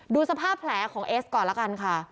ดูสภาพแผลของเอสก่อนละกันค่ะ